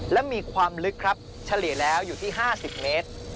และมีความลึกครับเฉลี่ยแล้วอยู่ที่๕๐เมตร